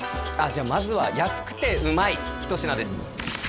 じゃあまずは安くてうまい一品です